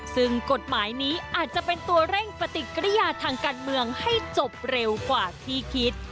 ซึ่งกฎหมายนี้อาจจะเป็นตัวเร่งปฏิกิริยาทางการเมืองให้จบเร็วกว่าที่คิด